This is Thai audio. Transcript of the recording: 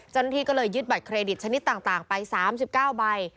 เจ้าหน้าที่ก็เลยยึดบัตรเครดิตชนิดต่างไป๓๙ใบ